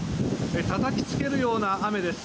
たたきつけるような雨です。